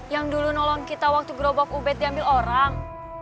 yang dulu nolong kita waktu gerobok ubed diambil orang